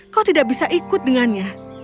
kau tidak bisa ikut dengannya